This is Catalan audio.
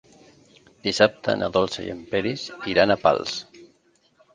Dissabte na Dolça i en Peris iran a Pals.